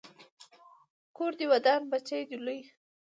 کور دې ودان، بچی دې لوی